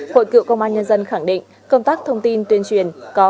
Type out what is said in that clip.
hội cựu công an nhân dân khẳng định công tác thông tin tuyên truyền